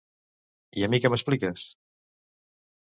I a mi que m'expliques?